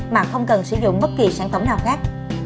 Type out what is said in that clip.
mà không cần sử dụng bất kỳ sản phẩm nào khác